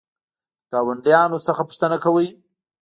د ګاونډیانو څخه پوښتنه کوئ؟